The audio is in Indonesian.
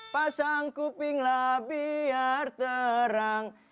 pasang kuping lah biar terang